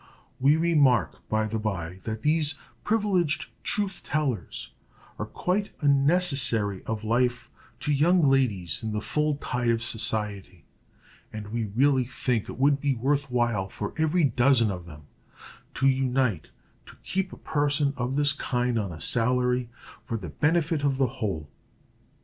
We remark, by the by, that these privileged truth tellers are quite a necessary of life to young ladies in the full tide of society, and we really think it would be worth while for every dozen of them to unite to keep a person of this kind on a salary, for the benefit of the whole.